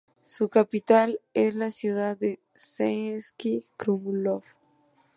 Su capital es la ciudad de Český Krumlov.